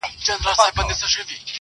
زما زړه په محبت باندي پوهېږي.